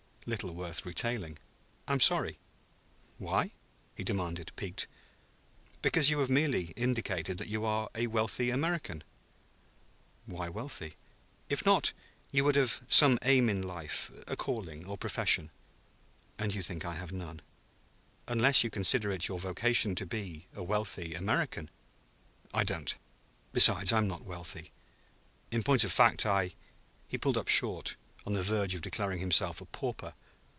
"Little worth retailing." "I'm sorry." "Why?" he demanded, piqued. "Because you have merely indicated that you are a wealthy American." "Why wealthy?" "If not, you would have some aim in life a calling or profession." "And you think I have none?" "Unless you consider it your vocation to be a wealthy American." "I don't. Besides, I'm not wealthy. In point of fact, I ..." He pulled up short, on the verge of declaring himself a pauper.